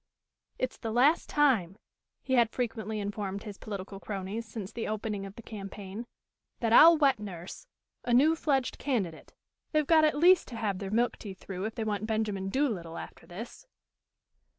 "It's the last time," he had frequently informed his political cronies since the opening of the campaign, "that I'll wet nurse a new fledged candidate. They've got at least to have their milk teeth through if they want Benjamin Doolittle after this."